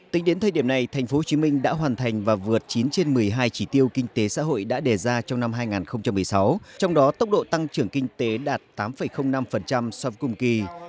tính đến thời điểm này tp hcm đã hoàn thành và vượt chín trên một mươi hai chỉ tiêu kinh tế xã hội đã đề ra trong năm hai nghìn một mươi sáu trong đó tốc độ tăng trưởng kinh tế đạt tám năm so với cùng kỳ